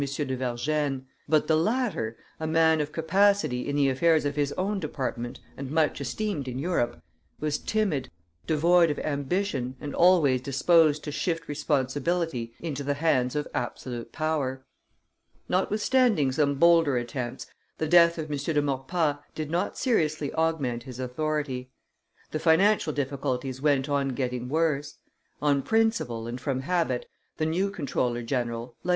de Vergennes; but the latter, a man of capacity in the affairs of his own department and much esteemed in Europe, was timid, devoid of ambition and always disposed to shift responsibility into the hands of absolute power. Notwithstanding some bolder attempts, the death of M. de Maurepas did not seriously augment his authority. The financial difficulties went on getting worse; on principle and from habit, the new comptroller general, like M.